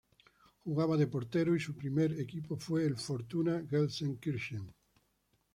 Jugaba de portero y su primer equipo fue el Fortuna Gelsenkirchen.